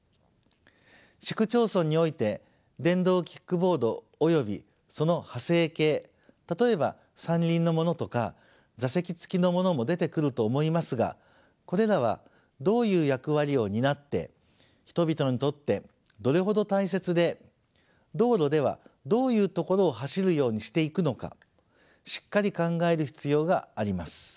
市区町村において電動キックボードおよびその派生形例えば３輪のものとか座席付きのものも出てくると思いますがこれらはどういう役割を担って人々にとってどれほど大切で道路ではどういう所を走るようにしていくのかしっかり考える必要があります。